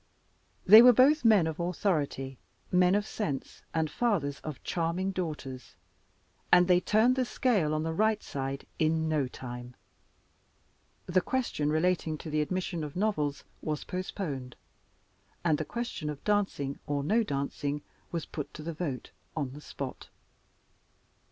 They were both men of authority, men of sense, and fathers of charming daughters, and they turned the scale on the right side in no time. The question relating to the admission of novels was postponed, and the question of dancing or no dancing was put to the vote on the spot.